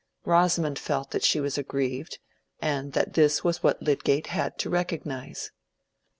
Rosamond felt that she was aggrieved, and that this was what Lydgate had to recognize.